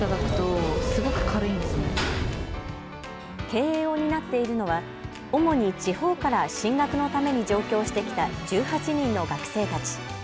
経営を担っているのは主に地方から進学のために上京してきた１８人の学生たち。